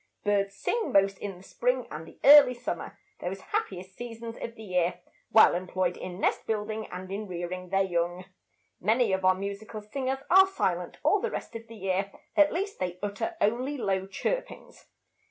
Birds sing most in the spring and the early summer, those happiest seasons of the year, while employed in nest building and in rearing their young. Many of our musical singers are silent all the rest of the year; at least they utter only low chirpings.